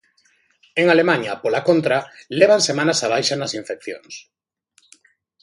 En Alemaña, pola contra, levan semanas á baixa nas infeccións.